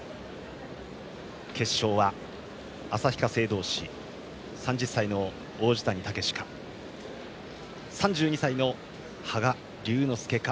決勝は旭化成同士３０歳の王子谷剛志か３２歳の羽賀龍之介か。